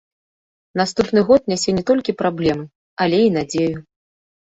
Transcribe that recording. Наступны год нясе не толькі праблемы, але і надзею.